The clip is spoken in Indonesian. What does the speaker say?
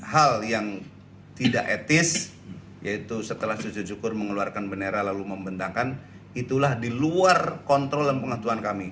hal yang tidak etis yaitu setelah sujud syukur mengeluarkan bendera lalu membentangkan itulah di luar kontrol dan pengatuan kami